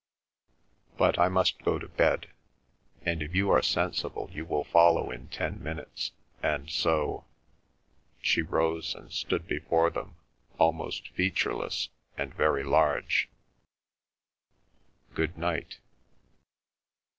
But I must go to bed, and if you are sensible you will follow in ten minutes, and so," she rose and stood before them, almost featureless and very large, "Good night."